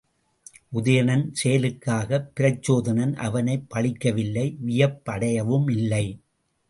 உதயணன் செயலுக்காகப் பிரச்சோதனன் அவனைப் பழிக்கவில்லை வியப்படையவுமில்லை.